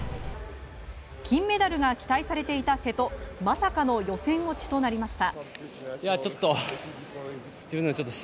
金メダルが期待されていた瀬戸まさかの予選落ちとなりました。